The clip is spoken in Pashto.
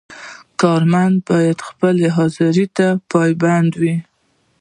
کارمند باید خپلې حاضرۍ ته پابند وي.